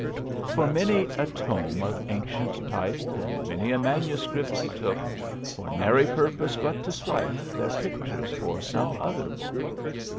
Full many a tome of ancient type And many a manuscript he took, For nary purpose but to swipe Their pictures for some other book.